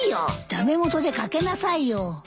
駄目元でかけなさいよ。